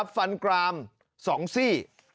ฟันกราม๒ซี่